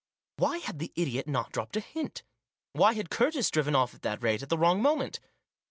Why had the idiot not dropped a hint ? Why had Curtis driven off at that rate at the wrong moment